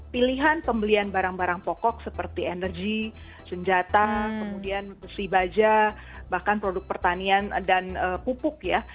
pilihan pembelian barang barang pokok seperti energi senjata kemudian besi baja bahkan produk pertanian dan pupuk ya